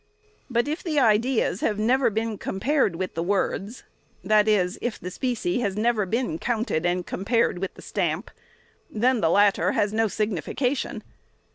But, if the ideas have never been compared with the words, that is, if the spe cie has never been counted and compared with the stamp, then the latter has no signification.